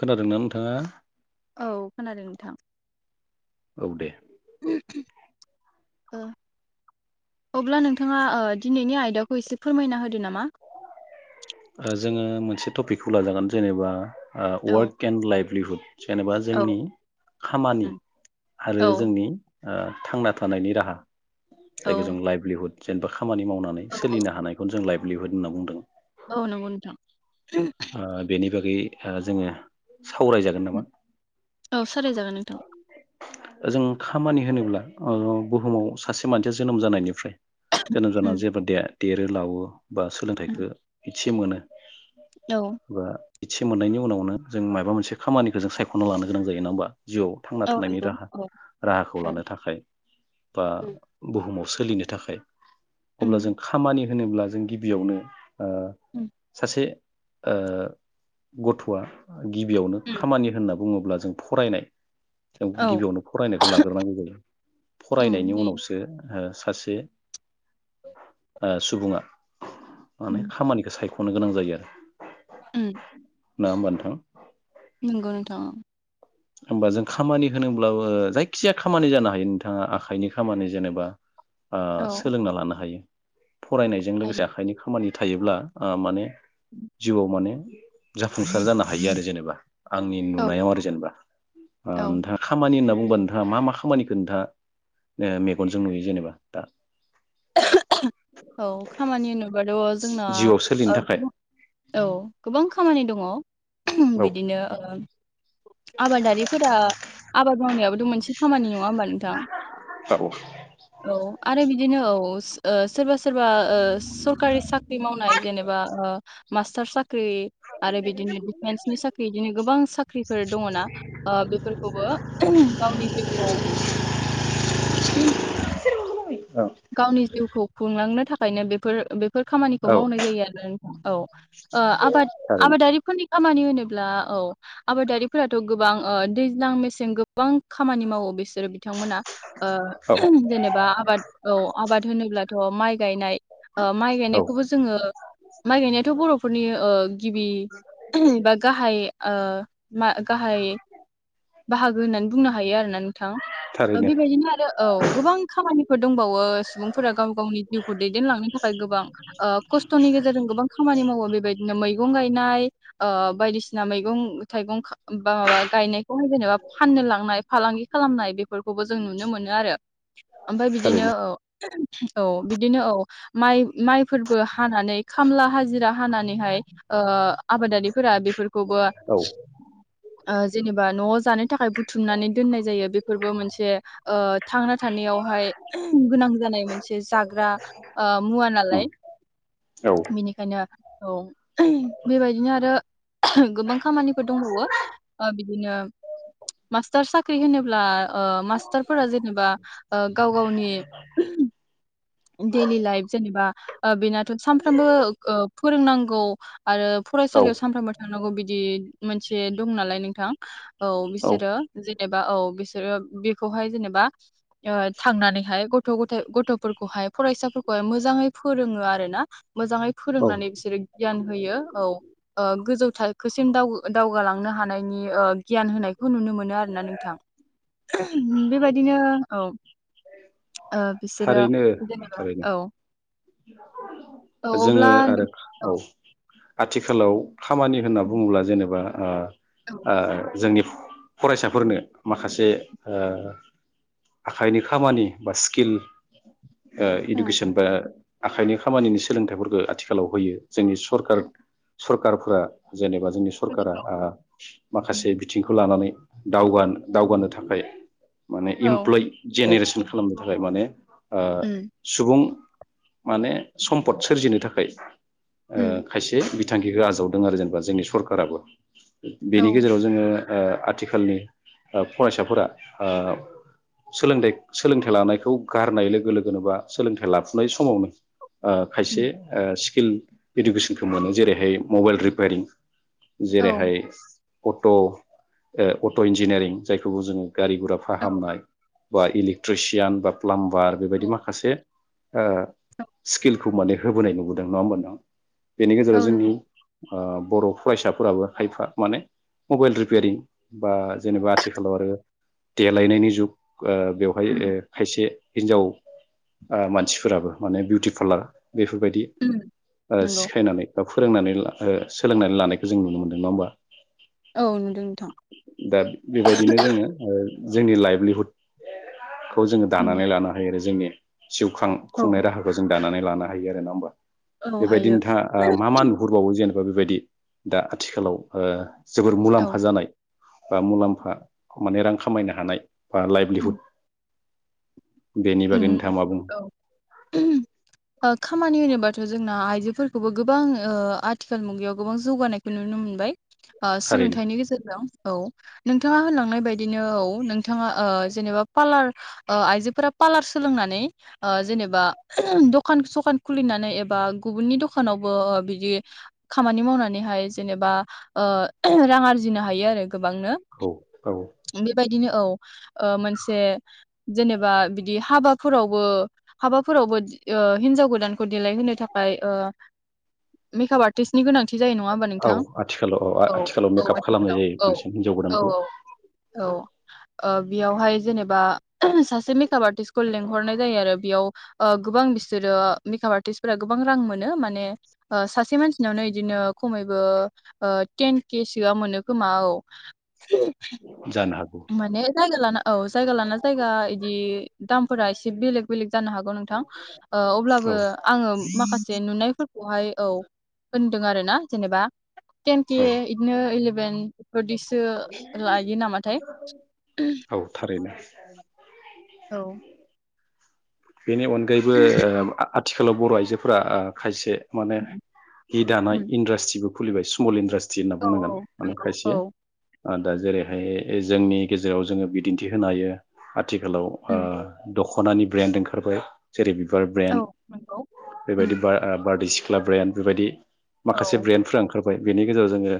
खोनादोंना नोंथाङा? औ खोनादों नोंथां। औ दे। ओ अब्ला नोंथाङा ओ दिनैनि आयदाखौ एसे फोरमायना होदो नामा? ओ जोङो मोनसे टपिकखौ लाजागोन जेनेबा। ओ औ वर्क केन्ड लाइभलिहुड। जेनेबा औ जोंनि खामानि उम आरो औ जोंनि। थांना थानायनि राहा औ जायखौ जों लाइभलिहुद जेनबा खामानि मावनानै सोलिनो हानायखौनो जों लाायब लिहुद होनना बुंदों। औ नोंगौ नोंथां। ओ बेनि बागै ओ जोङो सावरायजागोन नामा औ सावराय जागोन नोंथां। जों खामानि होनोब्ला ओ बुहुमाव सासे मानसिया जोनोम जानायनिफ्राय जोनोम जाना उम जेबो दे देरो लावो बा सोलोंथाइखो एसे मोनो। औ बा इदसे मोननायनि उनावनो जों मायबा मोनसे खामानिखौ जों सायख'ना लानो गोनां जायो नङा होमबा? जिउआव थांना औ थानायनि नंगौ राहा औ राहाखौ औ लानो थाखाय बा बुहुमाव सोलिनो थाखाय उम अब्ला जों खामानि होनोब्ला जों गिबियावनो ओ उम सासे ओ गथ'आ गिबियावनो खामानि होनना बुङोब्ला जों फरायनाय जों औ गिबियावनो फरायनायखौ लाग्रोनांगौ जायो उम फरायनायनि जायो उनावसो ओ सासे ओ सुबुंआ माने खामानिखौ सायख' नो गोनां जायो आरो उम। ना होमबा नोंथां? नोंगौ नोंथां। होमबा जों खामानि होनोब्लाबो जायखिया खामानि जानो हायो नोंथाङा आखाइनि खामानि जेनेबा ओ औ सोलोंना लानो हायो। फरायनायजों लोगोसे हायो आखाइनि खामानि थायोब्ला ओ माने जिउआव माने जाफुंसार जानो हायो आरो जेनेबा आंनि औ नुनायाव आरो जेनेबा। ओ औ नोंथाङा खा खामानि होनना बुंङोबा नोंथाङा मा मा खामानिखौ नोंथाङा मेगनजों नुयो जेनेबा दा? औ खामानि होनोबाथ' जोंना जिउआव सोलिनो थाखाय ओ औ गोबां खामानि दङ'। औ बिदिनो आबादारिफोरा आबाद मावनायाबोथ' मोनसे खामानि न नङा होमबा नोंथां? औ औ आरो बि बिदिनो औ। ओ सोरबा सोरबा ओ सरकारि साख्रि मावनाय जेनेबा ओ मासटारस सा साख्रि आरो बिदिनो डिफेन्सनि साख्रि बिदिनो गोबां साख्रिफोर दङना बेफोरखौबो गावनि जिउखौ औ गावनि जिउखौ खुंलांनो थाखाय खायनो बेफोर बेफोर खामानिखौ औ मावनाय जायो आरो औ ओ आब थारैनो आबादारिफोरनि खामानि होनब्ला औ आबादारिफोराथ' गोबां दैज्लां मेसें गोबां खामानि मावो बेसे बिसोर बिथांमोना औ जेनेबा आबाद औ आबाद होनोब्लाथ' माइ गायनाय ओ माइ औ गायनायखौबो जोङो माइ गायनायाथ' बर'फोरनि ओ गिबि बा गाहाय ओ गाहाय बाहागो होननानै बुंनो हायो आरोना नोंथां। थारैनो बेबायदिनो आरो औ। गोबां खामानिफोर दंबावो सुबुंफोरा गाव गावनि जिउखौ दैदेनलांनो थाखाय गोबां ओ खस्थ'नि गेजेरजों गोबां खामानि मावो बेबायदिनो मैगं गायनाय ओ बायदिसिना मैगं थाइगं बा माबा गायनायखौहाय जेनेबा फाननो लांनाय फालांगि खालामनाय बेफोरखौबो जों नुनो मोनो आरो बिदिनो थारैनो औ। औ बिदिनो औ माइ माइफोरबो हानानै खामला हाजिरा हानानैहाय आबादारिफोरा बेफोरखौबो औ ओ जेनेबा न' नि थाखाय बुथुमनानै दोननाय जायो बेफोरबो मोनसे ओ थांना थानायावहाय गोनां जानाय मोनसे जाग्रा ओ मुवा औ नालाय औ बेनिखायनो औ। बेबायदिनो आरो गोबां खामानिफोर दंबावो बिदिनो मास्टार साख्रि साख्रि होनोब्ला ओ मास्टारफोरा जेनेबा ओ [inaudible] देलि लाइफ जेनेबा। ओ बेनाथ' सानफ्रामबो ओ फोरोंनां गौ। आरो फरायसालियाव सानफ्रामबो थांनांगौ बि दि मोनसे दं नालाय नोंथां। औ बिसोरो जेने बा औ बिसोरो बेखौहाय जेनेबा ओ थांनानैहाय गथ' गथाय गथ'फोर। बेखौहाय फरायसाफोरखौहाय मोजाङै फोरोङो आरो ना। मोजाङै औ फोरोंनानै बिसोरो गियान होयो औ ओ गोजौ थाखोसिम दाव दावगालांनो हानायनि ओ गियान होनायखौ नुनो मोनो आरोना नोंथां बेबायदिनो औ। ओ बिसोरो। थारैनो जेनेबा थारैनो औ। औ [unintelligible] जोङो अब्ला आरो नों औ। आथिखालाव खामानि होनना उम, बुङोब्ला जेनेबा आ। औ आ जोंनि फरायसाफोरनो माखासे ओ आखाइनि खामानि बा स्किल ओ उम, इडुकेसन बा आखाइनि खामानिनि सोलोंथाइफोरखौ आथिखालाव होयो जोंनि सरखार सरखारफोरा। जेनेबा जोंनि सरकारा कम्पिउटाराव आ माखासे बिथिंखौ लानानै। दावगा दावगानो थाखाय। माने औ इमप्लय जेनेरेसन खालामनो थाखाय माने [unintelligible] ओ उम, सुबुं माने सम्पद सोरजिनो थाखाय। ओ उम, खायसे बि थांखिखौ आजावदों आरो जेनेबा जोंनि सरकाराबो। बेनि औ गेजेराव जोङो। ओ आथिखालनि फरायसाफोरा सोलोंथाइ सोलोंथाइ लानायखौ गारनाय लोगो लोगोनोबा सोलोंथाइ लाफ थुनाय समावनो। ओ खायसे उम, ओ सि किल इडुकेसनखौ मोनो जेरैहाय मबाइल रिपायारिं औ जेरैहाय अट ओ अट इन्जिनियारिं जायखौबो जोङो गारि गुरा औ फाहामनाय बा इलेक्ट्रिसियान बा प्लाम्ब बार बेबायदि औ माखासे ओ औ स्किलखौ माने होबोनाय नुबोदों नङा होमबा नोंथां बेनि गेजेराव औ जोंनि नंगौ ओ बर फरायसाफोराबो खायफा माने मबाइल रिपायारिं बा जेनेबा आथिखालाव आरो देलायनायनि जुग ओ बेवहाय ओ उम, खायसे हिन्जाव आ मान सिफोराबो माने बिउटि पार्लार बेफोरबायदि उम, ओ नंगौ सिखायनानै गाव फोरोंनानै ला ओ सोलोंनानै लानायखौ जों नुनो मोनदों नङा होमबा औ नुदों नोंथां दा बेबायदिनो जोङो ओ जोंनि लाइभलिहुड खौ जोङो उम, दानानै लानो हायो आरो जोंनि जिउखां औ खुंनाय राहाखौ जों दानानै लानो हायो आरो नङा होमबा औ बेबायदि हायो नोंथाङा ओ मा मा नुहरबावो जेने बा बेबायदि दा आथिखालाव ओ जोबोर औ मुलाम्फा जानाय बा मुलाम्फा माने रां खामायनो हानाय बा लाइभलिहुद उम, बेनि उम, बागै नोंथाङा मा बुङो औ ओ खामानि होनोबाथ जोंना आइजोफोरखौबो गोबां ओ आथिखाल मुगायाव गोबां जौगानायखौ नुनो मोनबाय ओ थारैनो सोलोंथाइनि गेजेरजों औ नोंथाङा होनलांनाय बायदिनो औ नोंथाङा ओ जेनेबा पार्लार ओ आइजोफोरा पार्लार सोलोंनानै ओ जेनेबा दखान सखान खुलिनानै एबा गुबुननि दखानावबो बिदि खामानि मावनानैहाय जेनेबा ओ रां आरजिनो हायो आरो। गोबांनो औ औ बे बायदिनो औ ओ मोनसे जेनेबा बि बिदि हाबाफोरावबो हाबाफोरावबो ओ हिनजाव गोदानखौ देलायहोनो थाखाय ओ मेकाप आर्टिस्नि गोनां। औ आथिखालाव औ आथिखालाव औ मेकआप खालामनाय आथिखालाव जायो औ बांसिन हिनजाव गोदानखौ औ औ ओ बेयावहाय जेनेबा सासे मेकआप आर्ट आर्टिस्टखौ लेंहरनाय जायो आरो बेयाव ओ गोबां बिसोरो मेकाप आर्टिस्टफोरा गोबां रां मोनो माने ओ सासे मानसिनावनो बिदिनो खमैबो ओ टेन केसोआ मोनो खोमा औ। [unintelligible] जानो हागौ माने जायगा लाना औ जायगा लाना जायगा इदि दामफोरा एसे बेलेग बेलेग जानो हागौ नोंथां ओ अब्लाबो औ आङो माखासे नुनायफोरखौहाय औ होनदों आरो ना जेनेबा टेन के औ बिदिनो इलेभेन बिदिसो लायो नामाथाय औ थारैनो। [inaudible] औ। बेनि अनगायैबो आथिखालाव बर' आइजोफोरा ओ खायसे माने हि दानाय उम इन्डास्ट्रिबो खुलिबाय स्मल इन्द्रास्ट टि होनना औ बुंनांगोन माने नंगौ खायसे औ ओ दा जेरैहाय ओ जोंनि गेजेराव जोङो बिदिन्थि होनो हायो। आथिखालाव ओ उम दखनानि ब्रेन्ड ओंखार खारबाय। जेरै बिबार औ ब्रेन्ड नंगौ बेबायदि उम बा आ बार्दै सिख सिख्ला ब्रेन्ड बेबायदि औ माखासे ब्रेन्डफोरा ओंखारबाय। फाय बेनि गेजेराव जोङो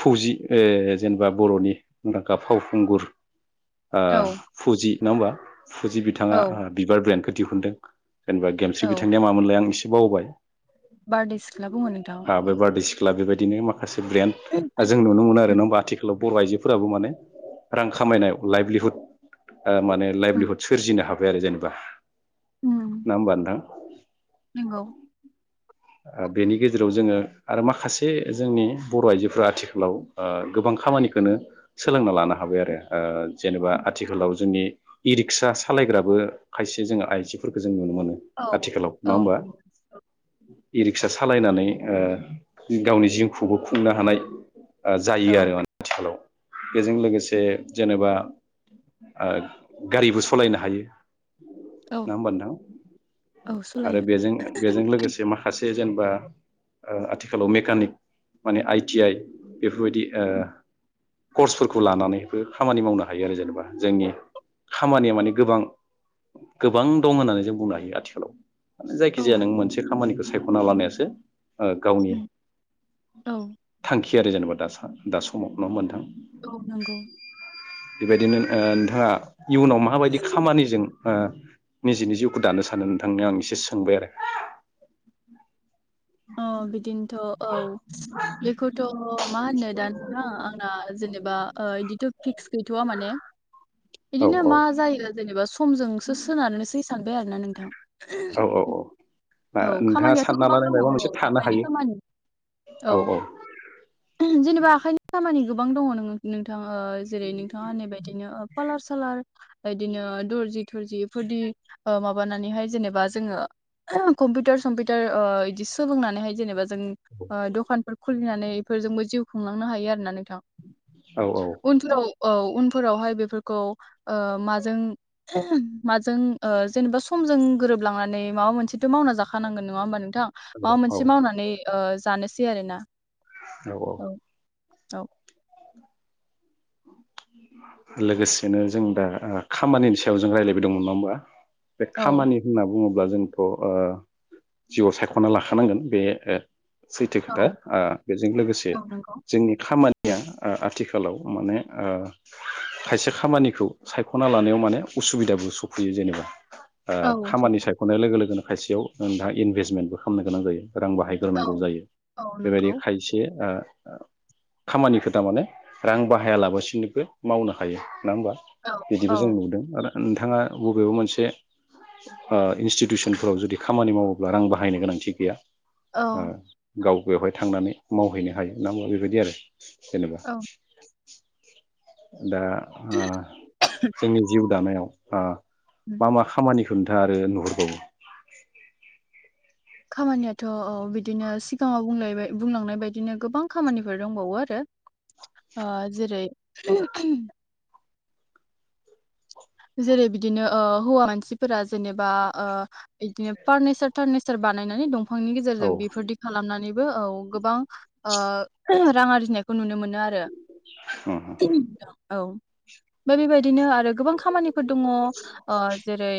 फौजि ओ जेनेबा बर'नि मुंदांखा फावखुंगुर ओ औ फुजि नङा होमबा। फुजि बिथाङा औ बिबार ब्रेन्डखौ दिहुनदों। जेनबा गेमस्रि औ बिथांनिया मामोनल आं इसे बावबाय बारदै सिख्ला बुङो नोंथां ओ औ बे बारदै सिख्ला बेबायदिनो माखा से ब्रेन्ड उम जों नुनो मोनो आरो नङा होमबा आथिखालाव बर'आइजोफोराबो माने रां खामायनायाव लाइभलिहुद माने उम लाइभलिहुद सोरजिनो हा- बाय आरो जेनेबा उम नङा होमबा नोंथां [unintelligible] नंगौ। ओ बेनि गेजेराव जोङो आरो माखासे जोंनि बर' आइजोफोरा आथिखालाव ओ गोबां खामानिखौनो सोलोंना लानो हाबाय आरो ओ जेनेबा उम, आथिखालाव जोंनि इ रिक्सा सालायग्राबो खायसे जोङो आइजोफोरखो जों नुनो मोनो औ आथिखालाव नङा औ होनबा। नंगौ। इ रिक्सा सालायनानै ओ गावनि जिउखौबो खुंनो हानाय जायो औ आरो माने आथिखालाव बेजों लोगोसे उम, जेनेबा गारिबो सलायनो हायो। ना औ होमबा औ नोंथां आरो सोलायो बेजों बेजों लोगोसे मा- खासे जेनेबा आथिखालाव मेकानिक माने आइटि आइ बेफोरबायदि कर्सफोरखौ लानानैबो खामानि मावनो हायो आरो जेनेबा जोंनि खामानिया माने गोबां गोबां दं होननानै जों बुंनो हायो आथिखालाव जायखि औ जाया नों हायो। मोनसे खामानिखो सायख'ना लानायासो ओ गावनि उम औ थांखि थियारि जेनबा दा दा समाव नङा होनबा नोंथां ओ नंगौ बेबायदिनो ओ नोंथाङा इयुनाव माबायदि खामानिजों ओ निजेनि जिउखौ दानो सानो नोंथांनियाव आं एसे सोंबाय आरो अ बिदिनोथ औ बेखौथ' मा होनो दा नोंथां आंना जेनेबा बिदिथ फिक्स गैथवा माने। औ बिदिनो औ मा जायो जेनेबा समजोंसो सोनारनोसै सानबाय आरो ना नोंथां औ औ औ औ नोंथाङा खामानियाथ सानना गोबां लानाय दङ माबा औ मोनसे थानो आखाइनि हायो खामानि औ जेनेबा आखाइनि खामानि गोबां दङ नोङो नोंथां ओ जेरै नोंथाङा नैबायदिनो खाालार सालार बिदिनो दर्जि थरजिफोरनि माबानानैहाय जेनेबा जोङो कम्पिउटार सम्पिउटार ओ बिदि सोलोंनानैहाय जेनेबा जों दखानफोर खुलिनानै बेफोरजोंबो जिउ खुंलांनो हायो आरो नानों थां औ उनफोराव औ उनफोरावहाय बेफोरखौ ओ माजों माजों जेनेबा ओ समजों गोरोबलांनानै माबा मोनसे थ' मावना जाखानांगोन नङा होनबा नो नोंथां माबा मोनसे औ मावनानै ओ जानोसै आरो ना। औ औ औ लोगोसेनो जों दा खामानिनि सायाव जों रायलायबाय दंमोन नङा होमबा। बे औ खामानि होनना बुङोब्ला ब्ला जोंथ'ओ जिउआव सायख'ना लाखानांगोन बे ओ सैथो औ खोथा ओ बेजों लोगोसे औ नंगौ जोंनि खामानि या आथिखालाव माने ओ खायसे खामानिखौ सायख'ना लानायाव माने उसुबिदाबो सफैयो जेनेबा। ओ औ खामानि सफै सायख'नाय लोगो लोगोनो खायसेयाव नोंहा इनभेस्टमेन्टबो खालामनो गोनां जायो। रां औ बाहायग्रोनांगौ जायो औ बेबायदि नंगौ खायसे ओ खामानिखौ थारमाने रां बाहाया लाबासि सिनिबो मावनो हायो। नङा होमबा औ बिदिबो औ जों नुदों आरो नोंथाङा बबेबा मोनसे ओ इन्स्टिटिउसनफोराव जुदि खामानि मावोब्ला रां बाहायनो गोनांथि गैया। औ आ गाव बेवहाय थांनानै मावहैनो हायो नङा होमबा बेबायदि आरो जेनेबा [inaudible] औ दा आह जोंनि जिउ जानायाव आ उम मा मा खामानि नोंथाङा आरो नुहरबावो। खामानियाथ' बिदिनो सिगाङाव बुंलायबाय बुंलांनाय बायदिनो गोबां खामानिफोर दंबावो आरो। ओ जेरै जेरै बिदिनो ओ हौवा मानसिफोरा जेनेबा ओ इदिनो फार्निचार थारनिचार बानायनानै दं फांनि औ गेजेरजों बेफोरदि खालामनानै बो औ गोबां ओ रां आरजिनायखौ नुनो मोनो आरो। उम औ। ओमफाय बेबायदिनो आरो गोबां खा निफोर दङ ओ जेरै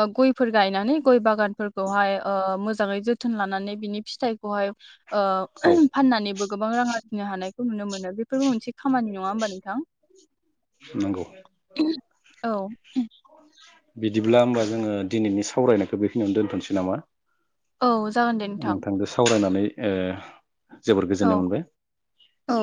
ओ गयफोर गायनानै गय बागानफोरखौहाय ओ मोजाङै जोथोन लानानै बिनि फिथाइखौहाय ओ औ फाननानैबो गोबां रां आरजिनो हानाय खौ नुनो मोनो। बे फोरबो मोनसे खामानि। नङा होमबा नोंथां? नंगौ औ। बिदिब्ला होमबा जोङो दिनैनि सावरायनायखौ बे खिनियावनो दोन्थ'नसै नामा? औ जागोन दे नोंथां। नोंथांजों सावरायनानै ओ जोबोर गोजोननाय औ। मोनबाय। औ